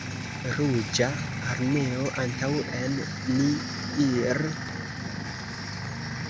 Ruĝa armeo, antaŭen ni ir'!